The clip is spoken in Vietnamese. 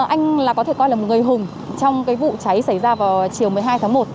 anh là có thể coi là một người hùng trong cái vụ cháy xảy ra vào chiều một mươi hai tháng một